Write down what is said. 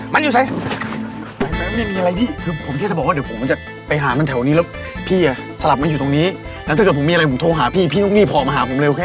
มันอยู่ใช่ไหมไม่มีอะไรพี่คือผมแค่จะบอกว่าเดี๋ยวผมจะไปหามันแถวนี้แล้วพี่อ่ะสลับมาอยู่ตรงนี้แล้วถ้าเกิดผมมีอะไรผมโทรหาพี่พี่ต้องรีบขอมาหาผมเร็วแค่